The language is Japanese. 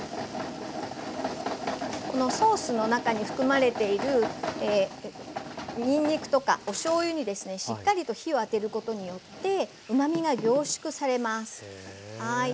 このソースの中に含まれているにんにくとかおしょうゆにしっかりと火をあてることによってうまみが凝縮されます。